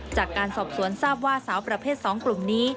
จากการสอบสวนทราบว่าสาวประเภท๒กลุ่มนี้